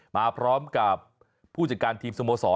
มาพร้อมกับผู้จัดการทีมสโมสร